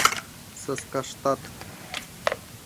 Саскаштат